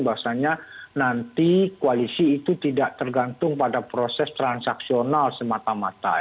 bahwasannya nanti koalisi itu tidak tergantung pada proses transaksional semata mata